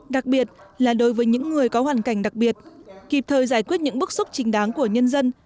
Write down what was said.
đặc biệt là đối với những người có hoàn cảnh đặc biệt kịp thời giải quyết những bức xúc trình đáng của nhân dân